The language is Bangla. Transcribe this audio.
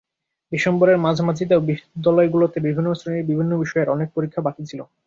ডিসেম্বরের মাঝামাঝিতেও বিদ্যালয়গুলোতে বিভিন্ন শ্রেণীর বিভিন্ন বিষয়ের অনেক পরীক্ষা বাকি ছিল।